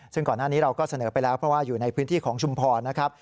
ซึ่งก่อนหน้านี้เราก็เสนอไปแล้วเพราะว่าอยู่ในพื้นที่ของชุมพรนะครับ